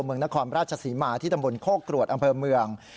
เมืองนครราชศรีมาที่ตำบลโคกรวดอำเภอเมือง